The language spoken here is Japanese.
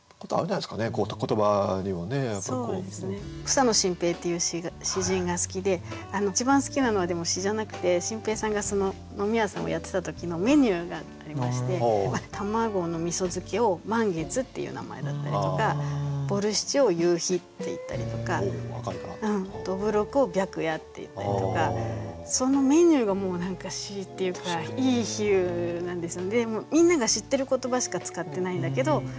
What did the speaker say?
草野心平っていう詩人が好きで一番好きなのはでも詩じゃなくて心平さんが飲み屋さんをやってた時のメニューがありまして卵の味漬けを「満月」っていう名前だったりとかボルシチを「夕日」っていったりとかどぶろくを「白夜」っていったりとかおしゃれっていうか何て言うかちょうどいいあんばいなんですよ。